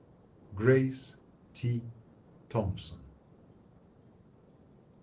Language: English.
Grace T. Thompson.